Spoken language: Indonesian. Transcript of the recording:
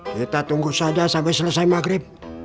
kita tunggu saja sampai selesai maghrib